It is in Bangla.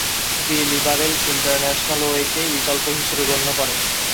দি "লিবারেল ইন্টারন্যাশনাল"ও একে বিকল্প হিসেবে গণ্য করে।